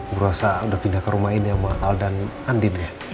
berasa udah pindah ke rumah ini sama aldan andin ya